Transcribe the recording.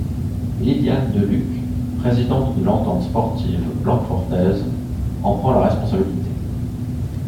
Liliane Delluc, présidente de l'entente sportive blanquefortaise en prend la responsabilité.